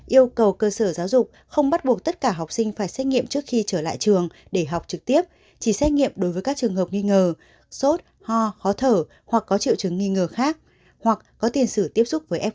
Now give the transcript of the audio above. yêu cầu cơ sở giáo dục không bắt buộc tất cả học sinh phải xét nghiệm trước khi trở lại trường để học trực tiếp chỉ xét nghiệm đối với các trường hợp nghi ngờ sốt ho khó thở hoặc có triệu chứng nghi ngờ khác hoặc có tiền sử tiếp xúc với f một